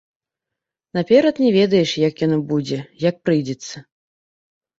Наперад не ведаеш, як яно будзе, як прыйдзецца.